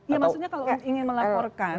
ya maksudnya kalau ingin melaporkan